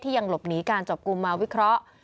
ยังหลบหนีการจับกลุ่มมาวิเคราะห์